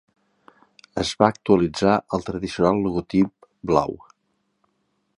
Es va actualitzar els tradicional logotip blau.